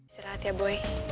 selamat ya boy